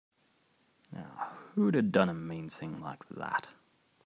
Now who'da done a mean thing like that?